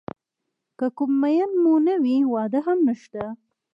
که کوم مېن مو نه وي واده هم نشته.